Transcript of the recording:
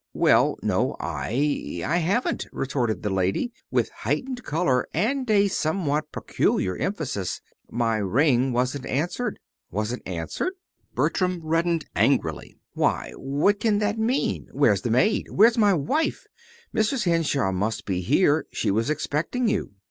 "Well, no, I I haven't," retorted the lady, with heightened color and a somewhat peculiar emphasis. "My ring wasn't answered." "Wasn't answered!" Bertram reddened angrily. "Why, what can that mean? Where's the maid? Where's my wife? Mrs. Henshaw must be here! She was expecting you."